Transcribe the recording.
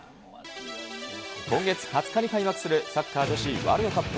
今月２０日に開幕するサッカー女子ワールドカップ。